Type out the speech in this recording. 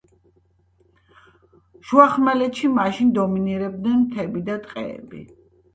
შუახმელეთში მაშინ დომინირებდნენ მთები და ტყეები.